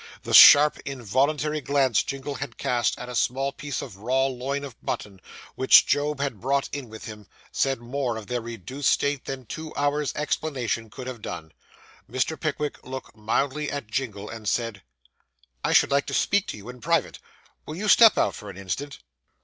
The sharp, involuntary glance Jingle had cast at a small piece of raw loin of mutton, which Job had brought in with him, said more of their reduced state than two hours' explanation could have done. Mr. Pickwick looked mildly at Jingle, and said 'I should like to speak to you in private. Will you step out for an instant?